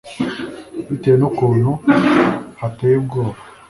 bitewe n'ukuntu hateye ubwoba.